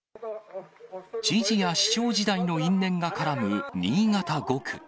知事や市長時代の因縁が絡む新潟５区。